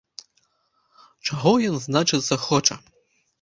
Чаго ён, значыцца, хоча?